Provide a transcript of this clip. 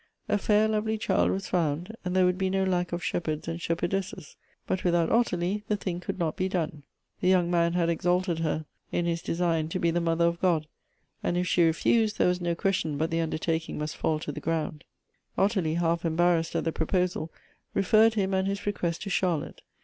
A fair, lovely child was found, and there would be no lack of shepherds and shep erdesses. But without Ottilie the thing could not be done. The young man had exalted her in his design Elective Affinities. 209 to be the mother of God, and if she refused, there was no question but the undertaking must fall to the ground. Ottilie, half embarrassed at the proposal, referred him and his request to Charlotte.